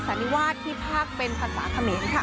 สันนิวาสที่ภาคเป็นภาษาเขมรค่ะ